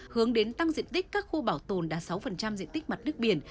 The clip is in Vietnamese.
hướng đến tăng diện tích các khu bảo tồn đạt sáu diện tích mặt nước biển